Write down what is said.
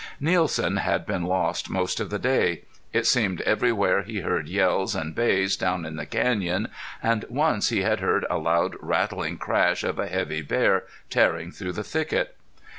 Nielsen had been lost most of the day. It seemed everywhere he heard yells and bays down in the canyon, and once he had heard a loud rattling crash of a heavy bear tearing through the thicket.